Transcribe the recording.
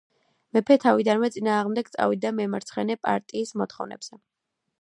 მეფე თავიდანვე წინააღმდეგ წავიდა მემარცხენე პარტიის მოთხოვნებზე.